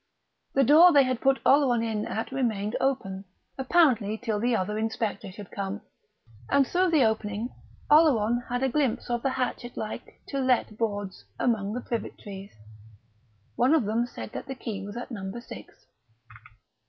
The door they had put Oleron in at remained open, apparently till the other inspector should come; and through the opening Oleron had a glimpse of the hatchet like "To Let" boards among the privet trees. One of them said that the key was at Number Six....